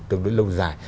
tương đối lâu dài